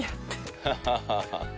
ハハハハ。